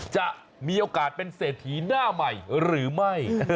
จะมีโอกาสเป็นเศรษฐีหน้าใหม่หรือไม่